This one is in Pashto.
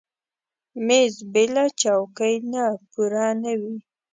مېز بېله چوکۍ نه پوره نه وي.